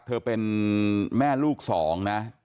เธอเป็นแม่ลูกสองนะ